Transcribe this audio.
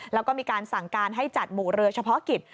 แล้วก็มีการสั่งการให้จัดหมู่เรือเฉพาะกิจ